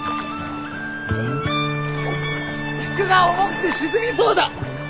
服が重くて沈みそうだ。